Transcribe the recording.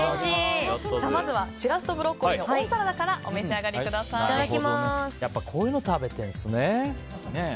まずはしらすとブロッコリーの温サラダからやっぱこういうの食べてるんですね。